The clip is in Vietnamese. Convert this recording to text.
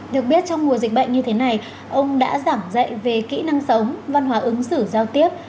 được biết trong mùa dịch bệnh như thế này ông đã giảng dạy về kỹ năng sống văn hóa ứng xử giao tiếp